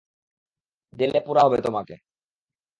জেলে পোরা হবে তোমাকে।